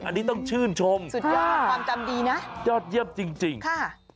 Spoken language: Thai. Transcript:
อันนี้ต้องชื่นชมสุดยอดความจำดีนะยอดเยี่ยมจริงค่ะ